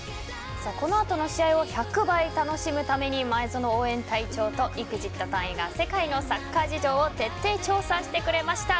このあとの試合を１００倍楽しむために前園応援隊長とＥＸＩＴ隊員が世界のサッカー事情を徹底調査してくれました。